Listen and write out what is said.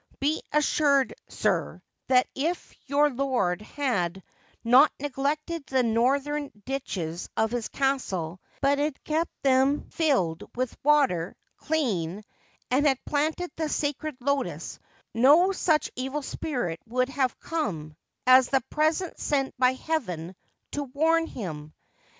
Be assured, sir, that if your lord had not neglected the northern ditches of his castle, but had kept them filled with water, clean, and had planted the sacred lotus, no such evil spirit would have come as the present sent by Heaven to warn him.